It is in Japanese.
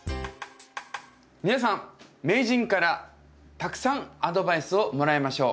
皆さん名人からたくさんアドバイスをもらいましょう。